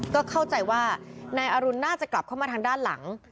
ก็เข้าใจว่านายอรุณน่าจะกลับเข้ามาทางด้านหลัง